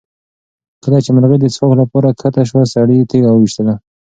کله چې مرغۍ د څښاک لپاره کښته شوه سړي تیږه وویشتله.